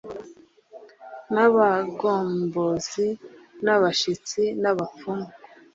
n abagombozi n abashitsi n abapfumu